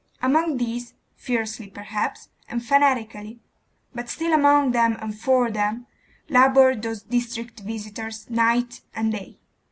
Among these, fiercely perhaps, and fanatically, but still among them and for them, laboured those district visitors night and day.